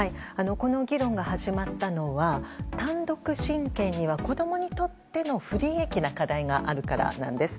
この議論が始まったのは単独親権には子供にとっての不利益な課題があるからなんです。